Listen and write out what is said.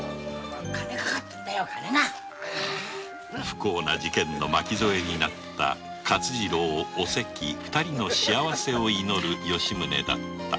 不幸な事件の巻き添えになった勝次郎とおせきの幸せを祈る吉宗だった